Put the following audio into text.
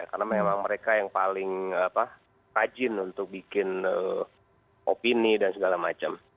karena memang mereka yang paling rajin untuk bikin opini dan segala macam